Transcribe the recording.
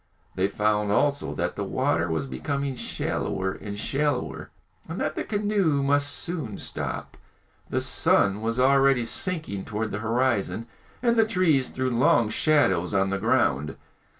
They found also that the water was becoming shallower and shallower, and that the canoe must soon stop. The sun was already sinking towards the horizon, and the trees threw long shadows on the ground.